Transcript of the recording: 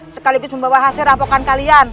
sekaligus membawa hati